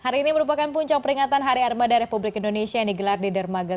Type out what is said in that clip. hari ini merupakan puncak peringatan hari armada republik indonesia yang digelar di dermaga